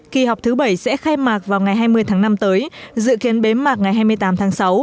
kỳ họp thứ bảy sẽ khai mạc vào ngày hai mươi tháng năm tới dự kiến bế mạc ngày hai mươi tám tháng sáu